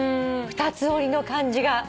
２つ折りの感じが。